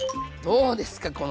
どうですか！